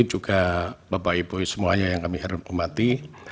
juga bapak ibu semuanya yang kami hormati